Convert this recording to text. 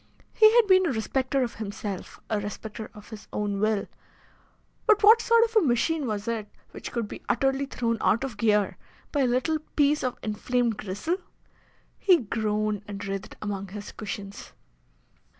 He had been a respecter of himself, a respecter of his own will; but what sort of a machine was it which could be utterly thrown out of gear by a little piece of inflamed gristle? He groaned and writhed among his cushions.